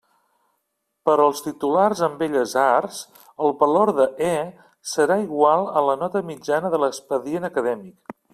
Per als titulats en Belles Arts el valor de E serà igual a la nota mitjana de l'expedient acadèmic.